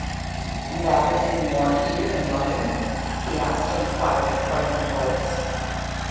"And that is even more to you than loving?" he asked in a quiet inquiring voice.